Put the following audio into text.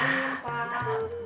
tendang angin pak